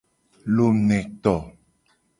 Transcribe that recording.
Lometo.